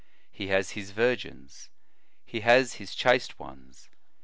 He has his virgins ; he has his chaste ones.